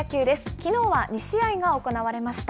きのうは２試合が行われました。